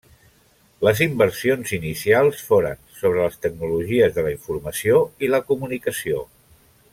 Les inversions inicials foren sobre les tecnologies de la informació i la comunicació.